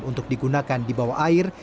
untuk digunakan di bawah air